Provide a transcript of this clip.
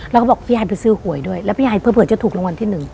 แล้วก็บอกพี่ไอ้ไปซื้อหวยด้วยประเภทที่ถูกรงวัลที่๑